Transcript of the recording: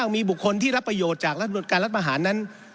มีบุคคลที่รับประโยชน์จากรัฐการรัฐประหารนั้น